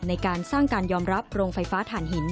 ในการสร้างการยอมรับโรงไฟฟ้าฐานหิน